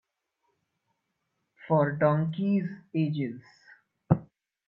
For donkeys' ages.